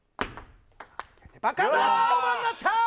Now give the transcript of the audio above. オーバーになった！